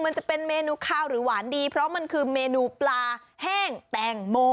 มันจะเป็นเมนูคาวหรือหวานดีเพราะมันคือเมนูปลาแห้งแตงโม